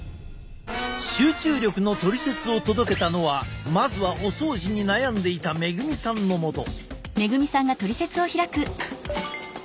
集中力のトリセツを届けたのはまずはお掃除に悩んでいたメグミさんのもと。